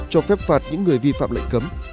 cho phép phạt những người vi phạm lệnh cấm